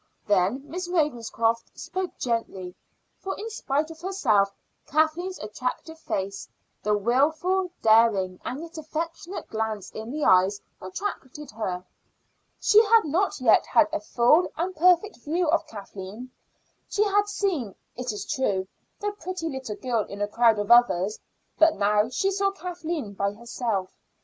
Then Miss Ravenscroft spoke gently, for in spite of herself Kathleen's attractive face, the wilful, daring, and yet affectionate glance in the eyes, attracted her. She had not yet had a full and perfect view of Kathleen. She had seen, it is true, the pretty little girl in a crowd of others; but now she saw Kathleen by herself.